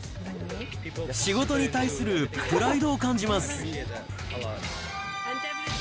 仕事に対するプライドを感じます。